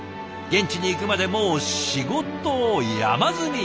現地に行くまでもう仕事山積み。